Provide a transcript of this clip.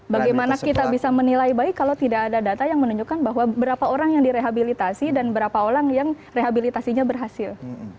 bagaimana kita bisa menilai baik kalau tidak ada data yang menunjukkan bahwa berapa orang yang direhabilitasi dan berapa orang yang rehabilitasinya berhasil